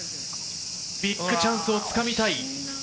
ビッグチャンスを掴みたい。